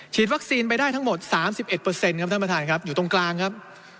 วัคซีนไปได้ทั้งหมด๓๑ครับท่านประธานครับอยู่ตรงกลางครับ